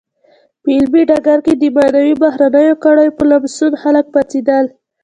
په علمي ډګر کې د معینو بهرنیو کړیو په لمسون خلک پاڅېدل.